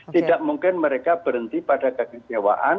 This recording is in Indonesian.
tidak mungkin mereka berhenti pada kekecewaan